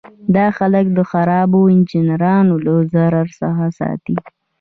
دا خلک د خرابو انجینرانو له ضرر څخه ساتي.